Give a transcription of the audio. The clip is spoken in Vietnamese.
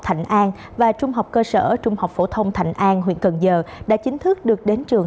thạnh an và trung học cơ sở trung học phổ thông thạnh an huyện cần giờ đã chính thức được đến trường